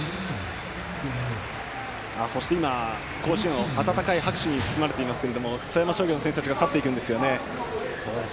そして今、甲子園は温かい拍手に包まれていますが富山商業の選手たちが去っていきます。